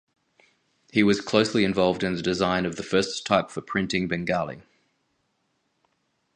He was closely involved in the design of the first type for printing Bengali.